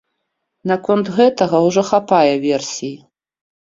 Наконт гэтага ўжо хапае версій.